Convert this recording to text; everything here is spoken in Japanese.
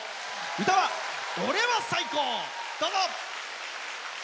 歌は「俺は最高！！！」。どうぞ。